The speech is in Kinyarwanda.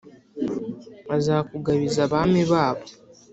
Azakugabiza abami babo,